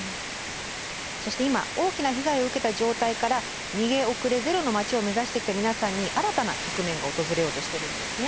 そして今大きな被害を受けた状態から逃げ遅れゼロの町を目指してきた皆さんに新たな局面が訪れようとしてるんですね。